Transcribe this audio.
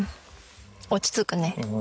落ち着くね。